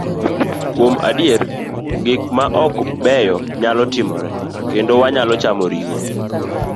Kuom adier, gik maok beyo nyalo timore, kendo wanyalo chamo ring'o.